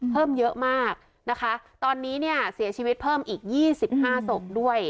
เพิ่มเยอะมากนะคะตอนนี้เนี่ยเสียชีวิตเพิ่มอีก๒๕ศพด้วย